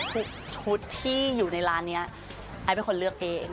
ทุกชุดที่อยู่ในร้านนี้ไอซ์เป็นคนเลือกเอง